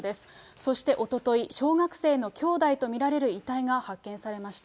そしておととい、小学生の兄弟と見られる遺体が発見されました。